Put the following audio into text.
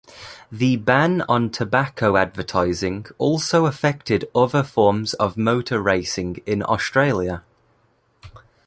The ban on tobacco advertising also affected other forms of motor racing in Australia.